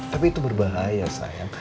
tapi itu berbahaya sayang